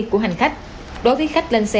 của hành khách đối với khách lên xe